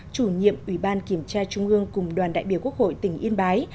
chủ nhiệm ủy ban kiểm tra trung ương cùng đoàn đại biểu quốc hội tỉnh yên bái